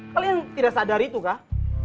kalian tidak sadar itu kak